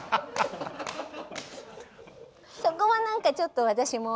そこは何かちょっと私も。